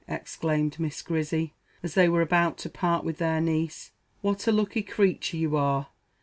exclaimed Miss Grizzy, as they were about to part with their niece, "what a lucky creature you are!